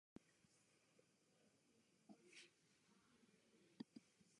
Additionally, the motor mount positions were moved slightly.